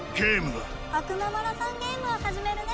悪魔マラソンゲームを始めるね。